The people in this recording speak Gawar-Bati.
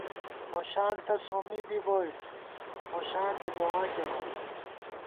خوشال تہ سومّی بی بوئیت، خوشال بی دُعا کېرون